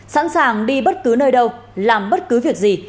sẵn sàng đi bất cứ nơi đâu làm bất cứ việc gì